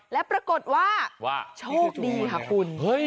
และปรากฏว่าโชคดีค่ะคุณ